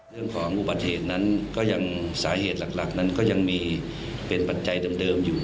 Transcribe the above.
เรื่องของอุบัติเหตุนั้นก็ยังสาเหตุหลักนั้นก็ยังมีเป็นปัจจัยเดิมอยู่